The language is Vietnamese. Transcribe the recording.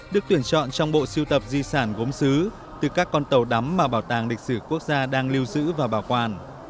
được tuyển chọn trong bộ siêu tập di sản gốm xứ từ các con tàu đắm mà bảo tàng lịch sử quốc gia đang lưu giữ và bảo quản